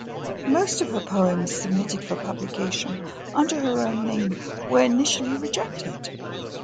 Most of her poems submitted for publication under her own name were initially rejected.